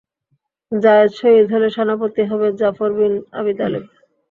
যায়েদ শহীদ হলে সেনাপতি হবে জাফর বিন আবী তালেব।